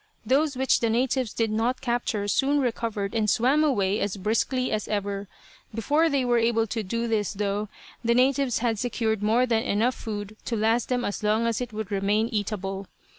Those which the natives did not capture soon recovered and swam away as briskly as ever. Before they were able to do this though, the natives had secured more than enough food to last them as long as it would remain eatable.